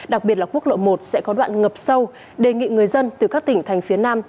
đặc biệt là quốc lộ một sẽ có đoạn ngập sâu đề nghị người dân từ các tỉnh thành phía nam